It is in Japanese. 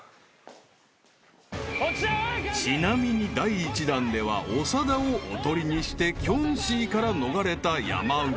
［ちなみに第１弾では長田をおとりにしてキョンシーから逃れた山内］